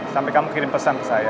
sampai kamu kirim pesan ke saya